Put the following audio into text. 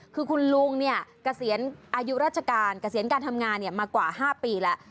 คือคุณลุงเนี่ยกระเสียงอายุราชการกระเสียงการทำงานเนี่ยมากว่า๕ปีแล้ว